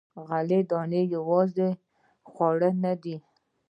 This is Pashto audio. غله دانه یوازې خواړه نه دي.